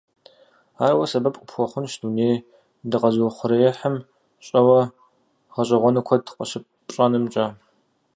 Ар уэ сэбэп къыпхуэхъунщ дуней дыкъэзыухъуреихьым щӀэуэ, гъэщӀэгъуэну куэд къыщыпщӀэнымкӀэ.